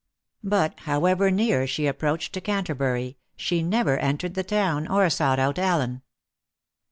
But, however near she approached to Canterbury, she never entered the town or sought out Allen.